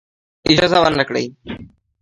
اجازه ورنه کړی.